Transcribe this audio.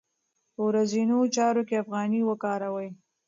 په ورځنیو چارو کې افغانۍ وکاروئ.